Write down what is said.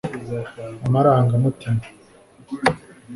amarangamutima